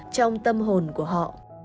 trong tâm hồn của họ